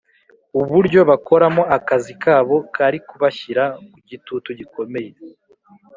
Uburyo bakoramo akazi kabo kari kubashyira ku gitutu gikomeye